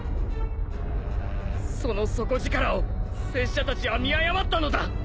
その底力を拙者たちは見誤ったのだ！